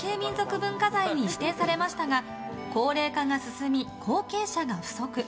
文化財に指定されましたが高齢化が進み後継者が不足。